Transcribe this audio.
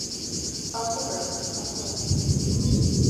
- Ասում ես, ասում…